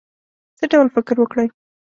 څه ډول فکر وکړی.